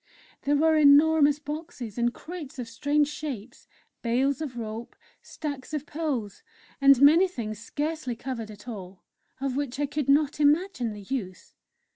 There were enormous boxes and crates of strange shapes, bales of rope, stacks of poles, and many things scarcely covered at all, of which I could not imagine the use.